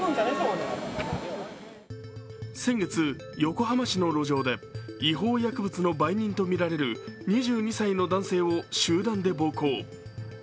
先月、横浜市の路上で違法薬物の売人とみられる２２歳の男性を集団で暴行。